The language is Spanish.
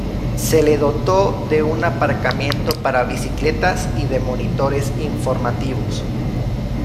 Se le dotó de un aparcamiento para bicicletas y de monitores informativos.